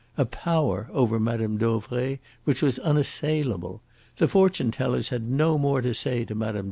a power over Mme. Dauvray which was unassailable. The fortune tellers had no more to say to Mme.